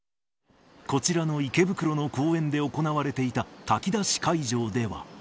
こちらの池袋の公園で行われていた炊き出し会場では。